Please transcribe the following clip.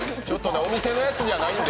お店のやつじゃないんで。